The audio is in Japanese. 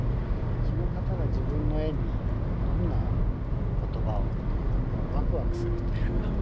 その方が自分の絵にどんな言葉をっていうのはもうわくわくするというか。